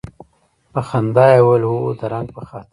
په خندا یې وویل هو د رنګ په خاطر.